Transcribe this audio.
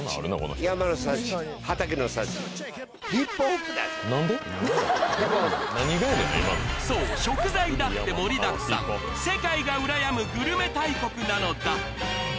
今のそう食材だって盛りだくさん世界がうらやむグルメ大国なのだ